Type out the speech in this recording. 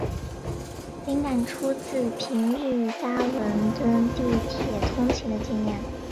灵感出自平日搭伦敦地铁通勤的经验。